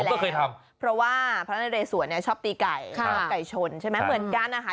ก็เคยทำเพราะว่าพระนเรสวนเนี่ยชอบตีไก่ชอบไก่ชนใช่ไหมเหมือนกันนะคะ